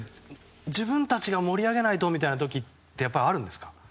自分たちが、盛り上げないとみたいな時ってあるんですか？